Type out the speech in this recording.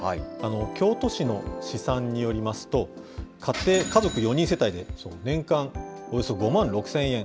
京都市の試算によりますと、家族４人世帯で年間およそ５万６０００円。